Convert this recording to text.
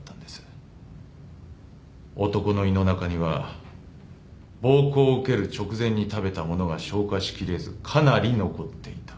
男の胃の中には暴行を受ける直前に食べた物が消化しきれずかなり残っていた。